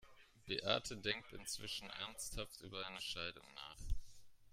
Beate denkt inzwischen ernsthaft über eine Scheidung nach.